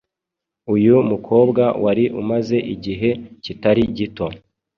Uyu mukobwa wari umaze igihe kitari gito